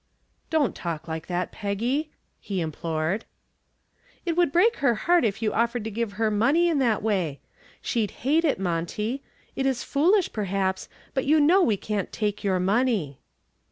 "Don't talk like that, Peggy," he implored. "It would break her heart if you offered to give her money in that way. She'd hate it, Monty. It is foolish, perhaps, but you know we can't take your money."